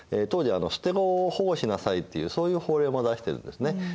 当時は捨て子を保護しなさいっていうそういう法令も出してるんですね。